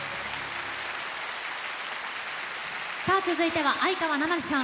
さあ続いては相川七瀬さん